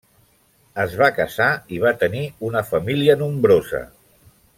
Es va casar i va tenir una família nombrosa.